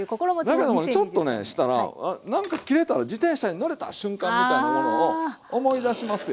だけどもちょっとねしたらなんか切れたら自転車に乗れた瞬間みたいなものを思い出しますよ。